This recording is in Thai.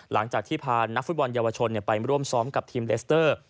หลังจากที่พานักฟุตบอลเยาวชนไปร่วมซ้อมกับทีมเลสเตอร์